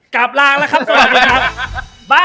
กลับลางแล้วครับสวัสดีครับ